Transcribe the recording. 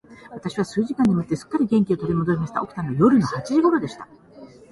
私は数時間眠って、すっかり元気を取り戻しました。起きたのは夜の八時頃でした。